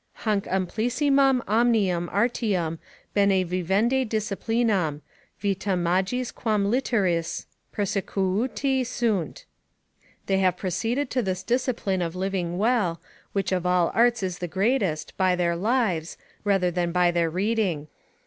"Hanc amplissimam omnium artium bene vivendi disciplinam, vita magis quam literis, persequuti sunt." ["They have proceeded to this discipline of living well, which of all arts is the greatest, by their lives, rather than by their reading."